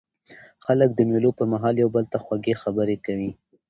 خلک د مېلو پر مهال یو بل ته خوږې خبري کوي.